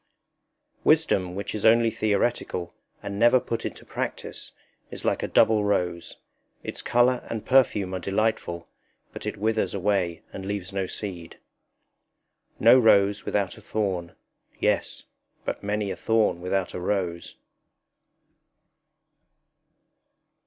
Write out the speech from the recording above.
Wisdom which is only theoretical and never put into practice, is like a double rose; its color and perfume are delightful, but it withers away and leaves no seed. No rose without a thorn. Yes, but many a thorn without a rose.